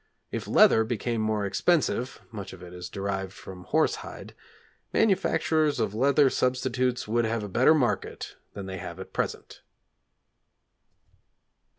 If leather became more expensive (much of it is derived from horse hide) manufacturers of leather substitutes would have a better market than they have at present.